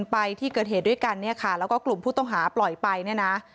ไปที่เกิดเหตุด้วยกันเนี่ยค่ะแล้วก็กลุ่มผู้ต้องหาปล่อยไปเนี่ยนะ